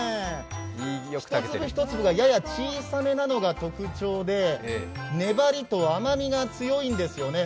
一粒一粒がやや小さめなのが特徴で、粘りと甘みが強いんですよね。